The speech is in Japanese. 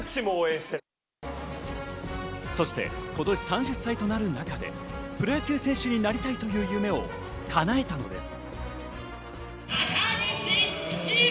そして今年３０歳となる中で、プロ野球選手になりたいという夢を叶えたのです。